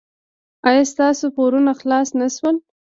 ایا ستاسو پورونه خلاص نه شول؟